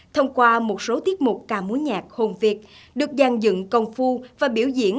thông qua một số tiết mục ca múa nhạc hồn việt được gian dựng công phu và biểu diễn